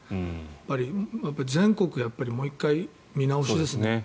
やっぱり全国もう一度見直しですね。